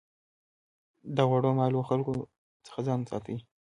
د غوړه مالو خلکو څخه ځان ساتئ.